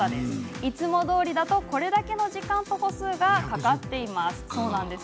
いつもどおりだと、これだけの時間と歩数がかかっています。